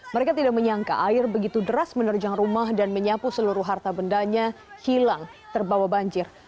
mereka tidak menyangka air begitu deras menerjang rumah dan menyapu seluruh harta bendanya hilang terbawa banjir